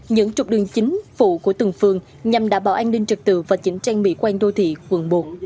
những trục đường chính phụ của từng phường nhằm đảm bảo an ninh trực tự và chỉnh trang mỹ quan đô thị quận một